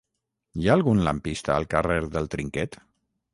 Hi ha algun lampista al carrer del Trinquet?